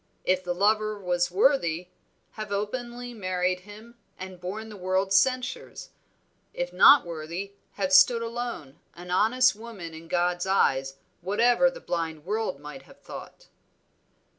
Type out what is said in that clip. If the lover was worthy, have openly married him and borne the world's censures. If not worthy, have stood alone, an honest woman in God's eyes, whatever the blind world might have thought."